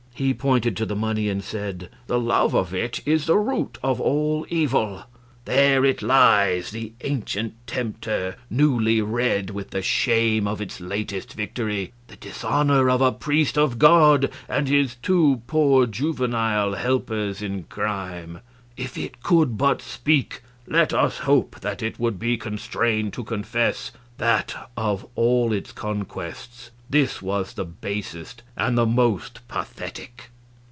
He pointed to the money, and said: "The love of it is the root of all evil. There it lies, the ancient tempter, newly red with the shame of its latest victory the dishonor of a priest of God and his two poor juvenile helpers in crime. If it could but speak, let us hope that it would be constrained to confess that of all its conquests this was the basest and the most pathetic."